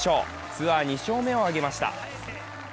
ツアー２勝目を挙げました。